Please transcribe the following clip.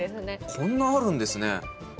こんなあるんですね。